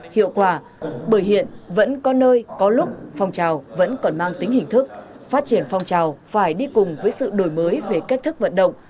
hiệu quả bởi hiện vẫn có nơi có lúc phong trào vẫn còn mang tính hình thức phát triển phong trào phải đi cùng với sự đổi mới về cách thức vận động